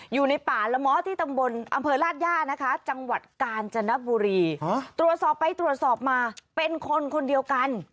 อยู่ในป่าละม้อที่ตำบลอำเภอราชย่านะคะจังหวัดกาญจนบุรีตรวจสอบไปตรวจสอบมาเป็นคนคนเดียวกัน